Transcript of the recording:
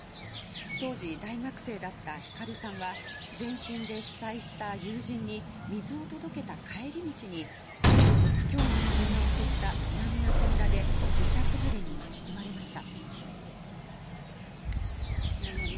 当時、大学生だった晃さんは前震で被災した友人に水を届けた帰り道に震度６強の揺れが襲った南阿蘇村で土砂崩れに巻き込まれました。